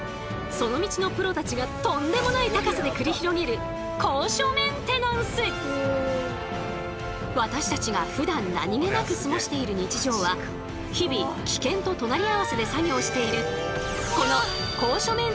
その道のプロたちがとんでもない高さで繰り広げる私たちがふだん何気なく過ごしている日常は日々危険と隣り合わせで作業している